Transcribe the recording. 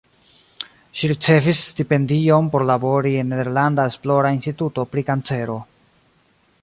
Ŝi ricevis stipendion por labori en nederlanda esplora instituto pri kancero.